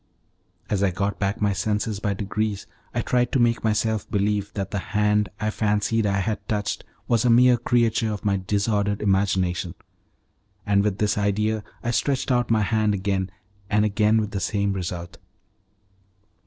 As I got back my senses by degrees, I tried to make myself believe that the hand I fancied I had touched was a mere creature of my disordered imagination; and with this idea I stretched out my hand again, and again with the same result.